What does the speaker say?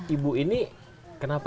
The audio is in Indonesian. ibu ini kenapa